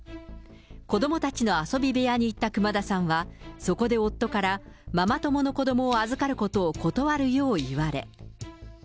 子どもたちの遊び部屋に行った熊田さんは、そこで夫から、ママ友の子どもを預かることを断るよう言われ。